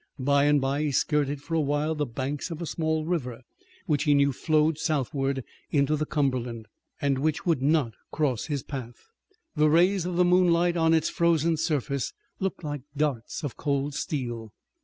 By and by he skirted for a while the banks of a small river, which he knew flowed southward into the Cumberland, and which would not cross his path. The rays of the moonlight on its frozen surface looked like darts of cold steel.